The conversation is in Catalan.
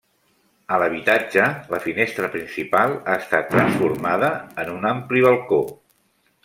A l'habitatge, la finestra principal ha estat transformada en un ampli balcó.